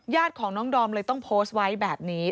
ญาติของน้องดอมเลยต้องโพสต์ไว้แบบนี้